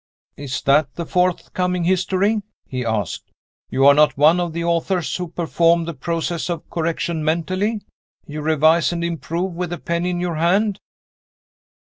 "Is that the forthcoming history?" he asked. "You are not one of the authors who perform the process of correction mentally you revise and improve with the pen in your hand."